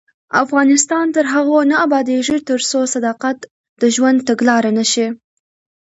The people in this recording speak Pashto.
افغانستان تر هغو نه ابادیږي، ترڅو صداقت د ژوند تګلاره نشي.